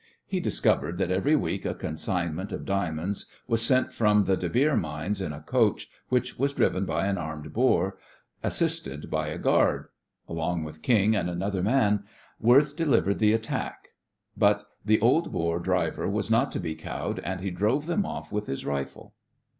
He discovered that every week a consignment of diamonds was sent from the De Beer mines in a coach, which was driven by an armed Boer, assisted by a guard. Along with King and another man, Worth delivered the attack, but the old Boer driver was not to be cowed, and he drove them off with his rifle.